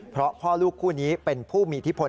เพราะพ่อลูกคู่นี้เป็นผู้มีอิทธิพล